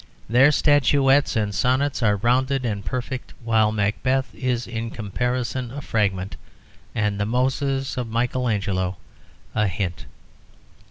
Their statuettes and sonnets are rounded and perfect, while "Macbeth" is in comparison a fragment, and the Moses of Michael Angelo a hint.